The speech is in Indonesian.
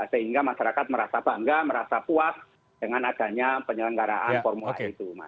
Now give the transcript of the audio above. sehingga masyarakat merasa bangga merasa puas dengan adanya penyelenggaraan formula e itu